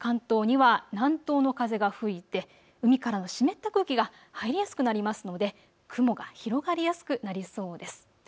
関東には南東の風が吹いて海からの湿った空気が入りやすくなりますので雲が広がりやすくなりそうです。